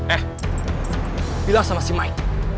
eh bilang sama si maik